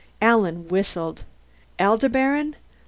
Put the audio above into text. Alan whistled. "Aldebaran!